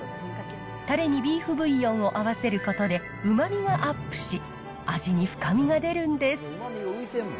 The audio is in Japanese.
たれにビーフブイヨンを合わせることでうまみがアップし、味に深みが出るんです。